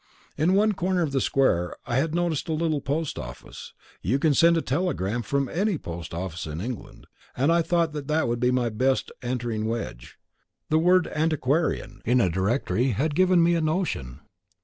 In one corner of the square I had noticed a little post office. You can send a telegram from any post office in England, and I thought that would be my best entering wedge. The word "antiquarian" in the directory had given me a notion.